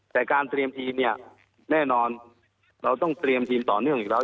แต่การเตรียมทีมเนี่ยแน่นอนเราต้องเตรียมทีมต่อเนื่องอีกแล้ว